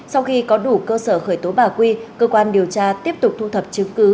sau khi có đủ cơ sở khởi tố bà quy cơ quan điều tra tiếp tục thu thập chứng cứ